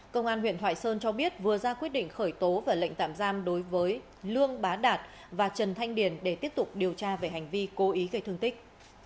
công an huyện thoại sơn cho biết vừa ra quyết định khởi tố và lệnh tạm giam đối với lương bá đạt và trần thanh điền để tiếp tục điều tra về hành vi cố ý gây thương tích